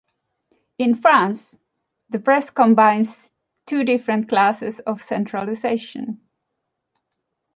In France, the press combines two different classes of centralization.